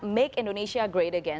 make indonesia great again